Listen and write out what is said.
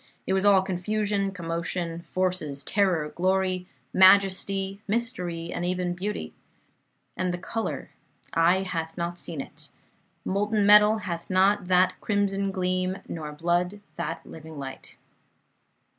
It was all confusion, commotion, forces, terror, glory, majesty, mystery, and even beauty. And the color, 'eye hath not seen' it! Molten metal hath not that crimson gleam, nor blood that living light."